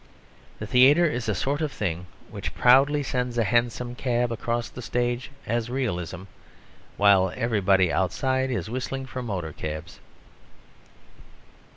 The theatre is a sort of thing which proudly sends a hansom cab across the stage as Realism, while everybody outside is whistling for motor cabs.